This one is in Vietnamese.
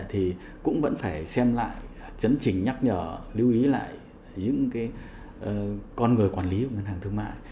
thì cũng vẫn phải xem lại chấn trình nhắc nhở lưu ý lại những con người quản lý của ngân hàng thương mại